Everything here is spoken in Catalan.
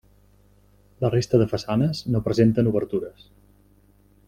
La resta de façanes no presenten obertures.